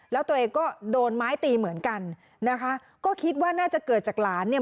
แล้วตัวเองก็โดนไม้ตีเหมือนกันนะคะก็คิดว่าน่าจะเกิดจากหลานเนี่ย